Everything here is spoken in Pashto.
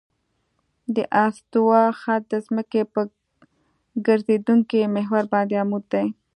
د استوا خط د ځمکې په ګرځېدونکي محور باندې عمود دی